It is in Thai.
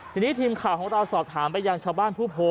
ทีนี้ทีมข่าวของเราสอบถามไปยังชาวบ้านผู้โพ